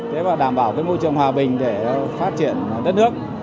thế và đảm bảo cái môi trường hòa bình để phát triển đất nước